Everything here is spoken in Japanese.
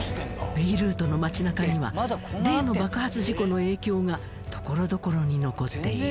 ベイルートの街なかには例の爆発事故の影響がところどころに残っている。